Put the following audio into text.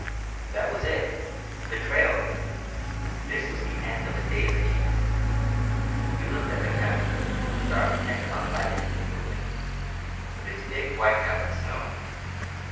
That was it the trail! This was the end of a day's achievement. He looked at the cabin, dark and unlighted in the open, with its big white cap of snow.